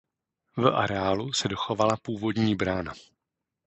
V areálu se dochovala původní brána.